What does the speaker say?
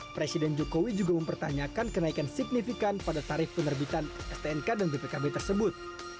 presiden jokowi juga mempertanyakan kenaikan signifikan pada tarif penerbitan stnk dan bpkb tersebut